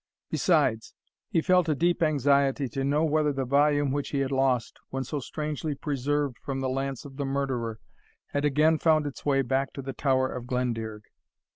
Besides, he felt a deep anxiety to know whether the volume which he had lost, when so strangely preserved from the lance of the murderer, had again found its way back to the Tower of Glendearg.